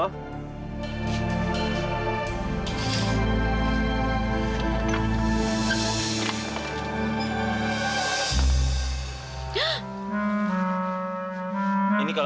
tidak ada apa apa